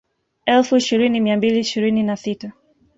Elfu ishirini mia mbili ishirini na sita